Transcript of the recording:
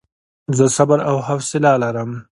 زه صبر او حوصله لرم.